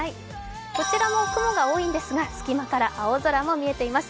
こちらも雲が多いんですが隙間から青空も見えています。